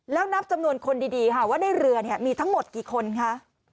แล้วนับจำนวนคนดีค่ะว่าในเรือมีทั้งหมดกี่คนคะ